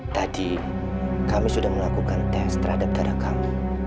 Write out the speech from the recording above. tadi kami sudah melakukan tes terhadap darah kami